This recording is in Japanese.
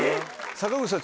⁉坂口さん